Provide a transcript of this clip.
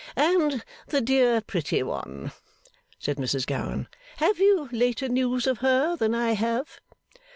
'And the dear pretty one?' said Mrs Gowan. 'Have you later news of her than I have?